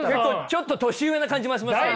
ちょっと年上な感じもしますね。